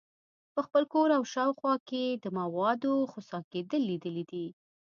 په خپل کور او شاوخوا کې د موادو خسا کیدل لیدلي دي.